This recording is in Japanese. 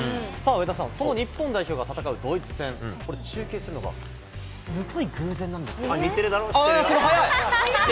上田さん、その日本代表が戦うドイツ戦、これ、中継するのが、すっごい偶日テレだろ、知ってる。